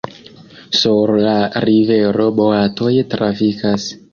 Sur la rivero boatoj trafikas.